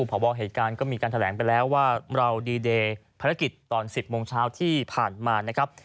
พบเหตุการณ์ก็มีการแถลงไปแล้วว่าเราดีเดย์ภารกิจตอน๑๐โมงเช้าที่ผ่านมานะครับ